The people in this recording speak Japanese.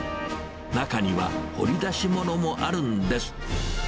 中には、掘り出し物もあるんです。